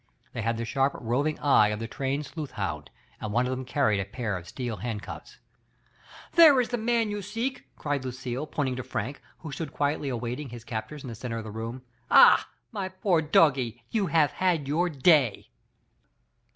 They had the sharp, roving eye of the trained sleuthhound, and one of them carried a pair of steel handcuffs. "There is the man you seek,*' cried Lucille, pointing to Frank, who stood quietly awaiting his captors in the center of the room. Ah, my poor Doggie, you have had your day